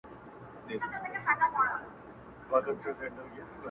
اوس مي هم ياد ته ستاد سپيني خولې ټپه راځـي’